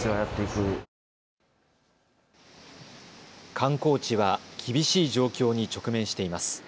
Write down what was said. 観光地は厳しい状況に直面しています。